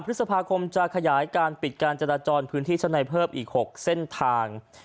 พฤษภาคมจะขยายการปิดการจราจรพื้นที่ชั้นในเพิ่มอีก๖เส้นทาง